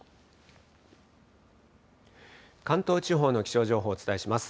関東地方の気象情報をお伝えします。